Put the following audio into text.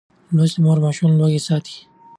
لوستې مور ماشوم له لوګي ساتي.